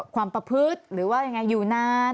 ความประพฤติหรือว่ายังไงอยู่นาน